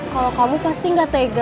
kalau kamu pasti gak tega